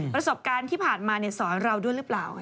ประสบการณ์ที่ผ่านมาสอนเราด้วยหรือเปล่า